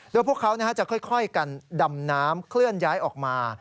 โดยพวกเขาจะค่อยกันดำน้ำเคลื่อนย้ายออกมา